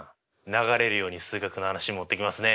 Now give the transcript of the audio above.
流れるように数学の話に持っていきますね。